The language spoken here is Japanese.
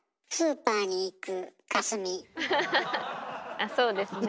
あそうですね。